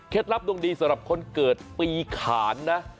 ลับดวงดีสำหรับคนเกิดปีขานนะ